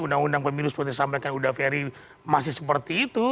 undang undang pemilu seperti yang disampaikan uda ferry masih seperti itu